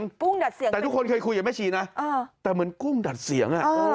กุ้งดัดเสียงแต่ทุกคนเคยคุยกับแม่ชีนะแต่เหมือนกุ้งดัดเสียง